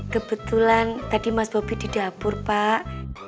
kebetulan tadi mas bobi di dapur pak